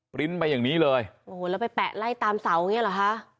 ปริ้นต์ไปอย่างนี้เลยโอ้โหแล้วไปแปะไล่ตามเสาอย่างเงี้เหรอคะ